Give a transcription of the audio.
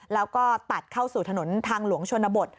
แล้วก็ตัดเข้าสู่ถนนทางหลวงชนบท